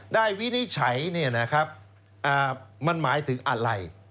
วินิจฉัยมันหมายถึงอะไร